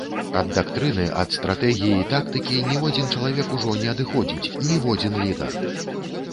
Ад дактрыны, ад стратэгіі і тактыкі ніводзін чалавек ужо не адыходзіць, ніводзін лідар!